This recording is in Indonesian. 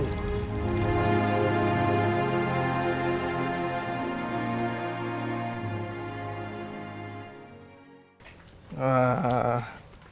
ini rambut minang fautanah